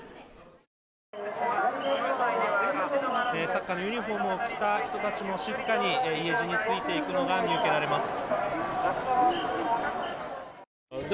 サッカーのユニホームを着た人たちも静かに家路に就いていくのが見受けられます。